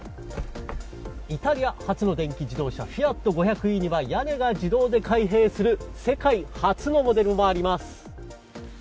イタリア初の電気自動車フィアット５００ｅには屋根が自動で開閉する世界初のモデルもあります。